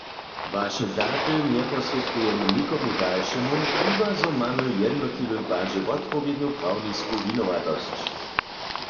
Waše daty njesposrědkujemy nikomu dalšemu, chibazo mamy w jednotliwym padźe wotpowědnu prawnisku winowatosć.